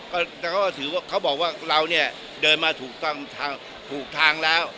ก็ถือว่าเขาบอกว่าเราเนี่ยเดินมาถูกต้องถูกทางแล้ว